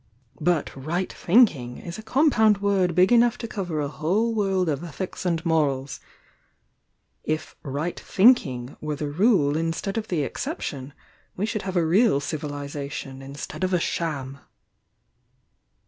"But 'right think ing' is a compound word big enough to cover a whole world of ethics and morals. If 'right thinking' were the rule instead of the exception, we should have a real Civilisation instead of a Sham!"